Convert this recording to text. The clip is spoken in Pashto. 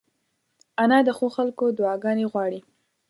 انا د ښو خلکو دعاګانې غواړي